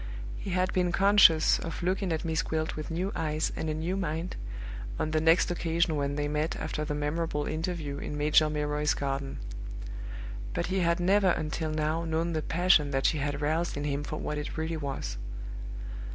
He had been conscious of looking at Miss Gwilt with new eyes and a new mind, on the next occasion when they met after the memorable interview in Major Milroy's garden; but he had never until now known the passion that she had roused in him for what it really was.